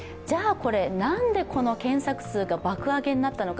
これ、何で検索数が爆上げになったのか。